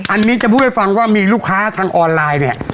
อันนี้จะพูดให้ฟังว่ามีลูกค้าทางออนไลน์เนี่ย